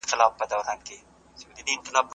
شرف د انسان تر ټولو لويه شتمني ده.